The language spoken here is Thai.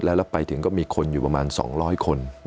แล้วไปถึงก็มีคนอยู่ประมาณ๒๐๐คน